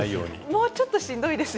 もう、ちょっとしんどいです。